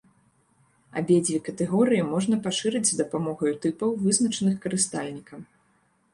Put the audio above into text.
Абедзве катэгорыі можна пашыраць з дапамогаю тыпаў, вызначаных карыстальнікам.